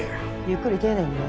ゆっくり丁寧にね。